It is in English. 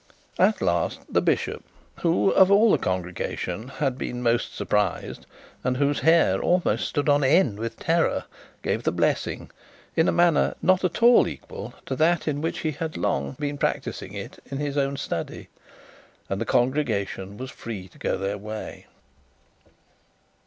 At last the bishop, who, of all the congregation, had been most surprised, and whose hair almost stood on end with terror, gave the blessing in a manner not at all equal to that in which he had long been practising it in his own study, and the congregation was free to go their way.